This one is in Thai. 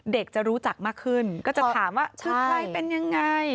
เด็กจะรู้จักมากขึ้นก็จะถามว่าคือใครเป็นยังไง